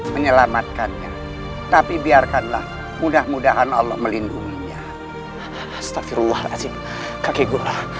menyelamatkannya tapi biarkanlah mudah mudahan allah melindunginya astagfirullah kake guru